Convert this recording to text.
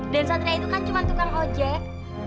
dan satria itu kan cuma tukang ojek